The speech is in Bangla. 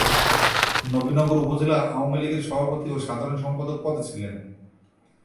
নবীনগর উপজেলা আওয়ামী লীগের সভাপতি ও সাধারণ সম্পাদক পদে ছিলেন।